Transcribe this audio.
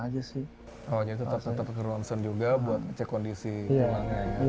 jadi tetap ke ronsen juga untuk cek kondisi tulangnya